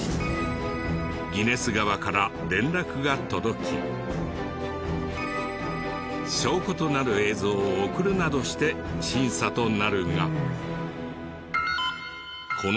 ギネス側から連絡が届き証拠となる映像を送るなどして審査となるが。